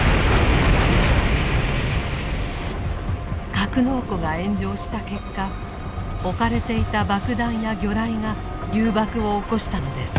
格納庫が炎上した結果置かれていた爆弾や魚雷が誘爆を起こしたのです。